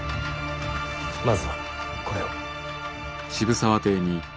まずはこれを。